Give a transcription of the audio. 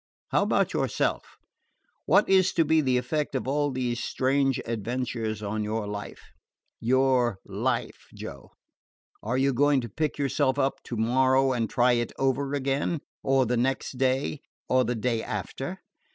How about yourself? What is to be the effect of all these strange adventures on your life your life, Joe? Are you going to pick yourself up to morrow and try it over again? or the next day? or the day after?